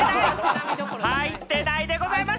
入ってないでございます。